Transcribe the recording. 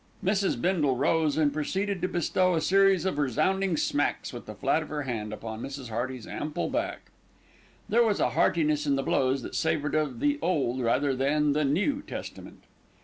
Mrs. Bindle rose and proceeded to bestow a series of resounding smacks with the flat of her hand upon Mrs. Hearty's ample back. There was a heartiness in the blows that savoured of the Old rather than the New Testament.